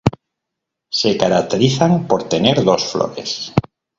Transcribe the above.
Se caracterizan por tener dos flores.